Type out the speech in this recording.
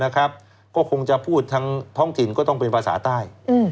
ก็คงจะพูดทั้งท้องถิ่นก็ต้องเป็นภาษาใต้